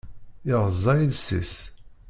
Iɣeẓẓa iles-is.